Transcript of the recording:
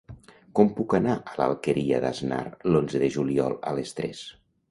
Com puc anar a l'Alqueria d'Asnar l'onze de juliol a les tres?